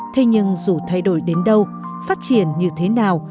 thế nhưng dù thay đổi đến đâu phát triển như thế nào